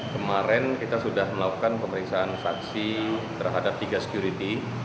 kemarin kita sudah melakukan pemeriksaan saksi terhadap tiga security